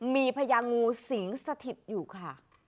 มีพญางูสิงสถิตอยู่ค่ะ